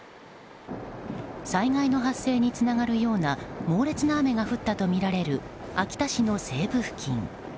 災害の発生につながるような猛烈な雨が降ったとみられる秋田市の西部付近。